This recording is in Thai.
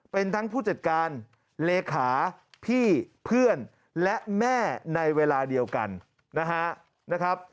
เป็นทั้งผู้จัดการเลขาพี่เพื่อนและแม่ในเวลาเดียวกันนะครับ